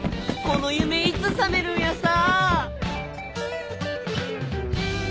この夢いつ覚めるんやさ！